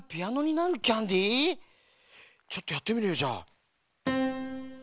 ちょっとやってみるよじゃあ。